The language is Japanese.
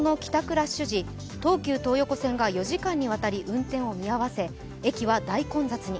ラッシュ時、東急東横線が４時間にわたり運転を見合わせ、駅は大混雑に。